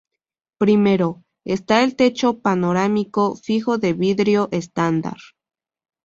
Primero, está el techo panorámico fijo de vidrio estándar.